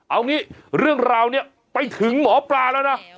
เอางี้เรื่องราวนี้ไปถึงหมอปลาแล้วนะ